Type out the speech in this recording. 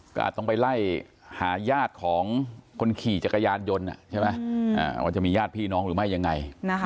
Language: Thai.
ก็อาจต้องไปไล่หาญาติของคนขี่จักรยานยนต์ใช่ไหมว่าจะมีญาติพี่น้องหรือไม่ยังไง